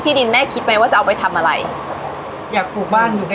มีขอเสนออยากให้แม่หน่อยอ่อนสิทธิ์การเลี้ยงดู